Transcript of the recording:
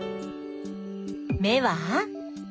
目は？